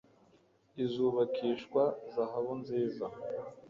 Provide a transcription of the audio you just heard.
izubakishwa zahabu nziza